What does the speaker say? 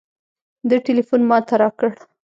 ده ټېلفون ما ته راکړ.